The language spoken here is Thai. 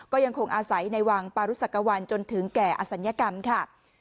ก็ยังคงอาศัยในวังปารุสักวันจนถึงแก่อศัลยกรรมค่ะ